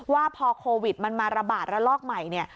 ว่าพอโควิดมันมาระบาดระลอกใหม่เนี่ย